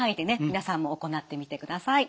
皆さんも行ってみてください。